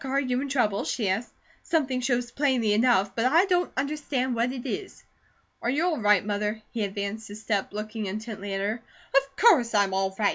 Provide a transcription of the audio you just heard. Are you in trouble?" she asked. "Something shows plainly enough, but I don't understand what it is." "Are you all right, Mother?" He advanced a step, looking intently at her. "Of course I'm all right!